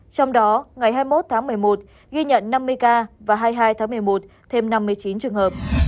trong đó ngày hai mươi một tháng một mươi một ghi nhận năm mươi ca và hai mươi hai tháng một mươi một thêm năm mươi chín trường hợp